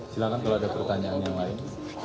silahkan kalau ada pertanyaan yang lain